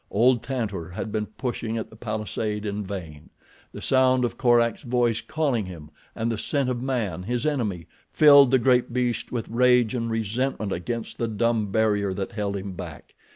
Old Tantor had been pushing at the palisade in vain. The sound of Korak's voice calling him, and the scent of man, his enemy, filled the great beast with rage and resentment against the dumb barrier that held him back.